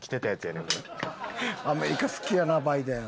アメリカ好きやなバイデン。